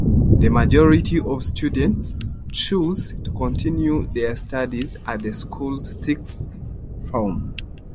The majority of students choose to continue their studies at the school's Sixth form.